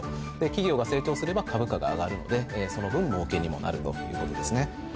企業が成長すれば株価が上がるのでその分もうけにもなるということですね。